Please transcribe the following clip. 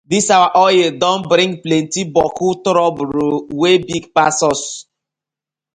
Dis our oil don bring plenti boku toruble wey big pass us.